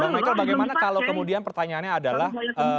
bang michael bagaimana kalau kemudian pertanyaannya adalah